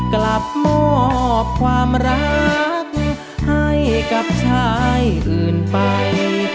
กลับมอบความรักให้กับชายอื่นไป